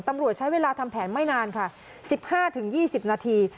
ตำรวจใช้เวลาทำแผนไม่นานค่ะ๑๕๒๐นาที